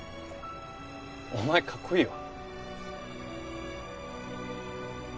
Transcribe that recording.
お前かっこいいよ。